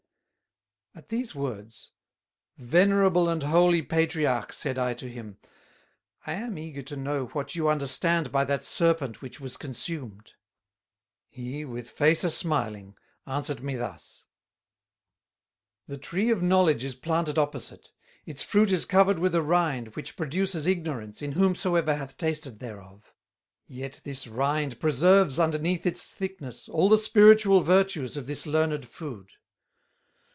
At these words: "Venerable and holy patriarch," said I to him, "I am eager to know what you understand by that Serpent which was consumed." He, with face a smiling, answered me thus:... "The Tree of Knowledge is planted opposite; its fruit is covered with a Rind which produces Ignorance in whomsoever hath tasted thereof; yet this Rind preserves underneath its thickness all the spiritual virtues of this learned food.